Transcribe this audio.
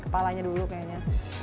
kepalanya dulu kayaknya